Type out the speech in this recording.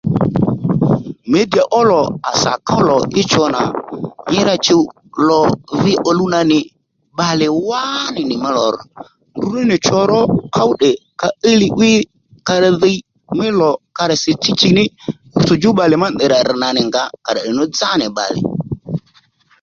Mǐdìyà ó lò à sà ków lò í cho nà nyi rà chùw lò vi òluw nà nì bbalè wánì nì mí lò rř ndrǔ ní nì cho ró ków tdè ka íy li 'wí ka ra dhiy mí lò ka rà si chíy chìy ní rútsò djú bbalè mà ndèy rà rr̀ nà nì ngǎ à rà tdè nú dzá nì bbalè